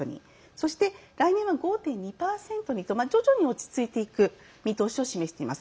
そして来年は５．２％にと徐々に落ち着いていく見通しを示しています。